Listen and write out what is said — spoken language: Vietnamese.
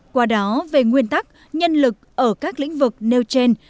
qua đó về nguyên tắc nhân lực ở các lĩnh vực nêu trên